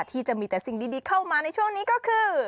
ที่จะมีแต่สิ่งดีเข้ามาในช่วงนี้ก็คือ